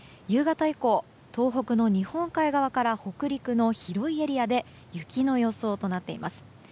夕方以降、東北の日本海側から北陸の広いエリアで雪の予想となっています。